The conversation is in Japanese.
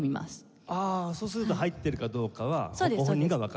ああそうすると入ってるかどうかはご本人がわかる。